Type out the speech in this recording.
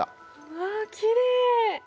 うわきれい！